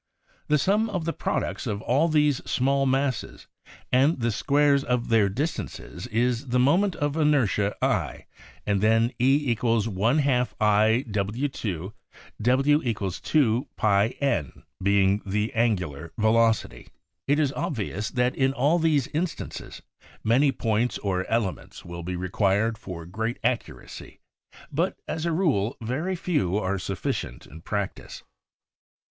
The sum of the products of all these small masses and the squares of their distances is the moment of inertia I, and then E = y2 I o2, <•>= 2 w n being the angular velocity. It is obvious that in all these instances many points or elements will be required for great accuracy but, as a rule, very few are sufficient in practice.